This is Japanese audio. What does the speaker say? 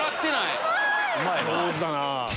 上手だな。